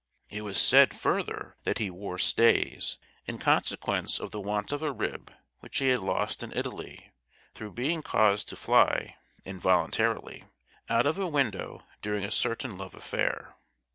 It was said, further, that he wore stays, in consequence of the want of a rib which he had lost in Italy, through being caused to fly, involuntarily, out of a window during a certain love affair.